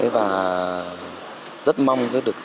và rất mong được